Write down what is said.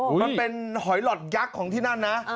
มันเป็นหอยหลอดยักษ์ของที่นั่นนะ